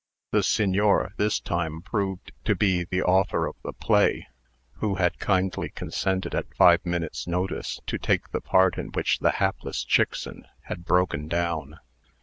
The Signor, this time, proved to be the author of the play, who had kindly consented, at five minutes' notice, to take the part in which the hapless Chickson had broken down.